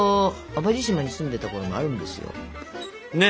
淡路島に住んでたころもあるんですよ。ね。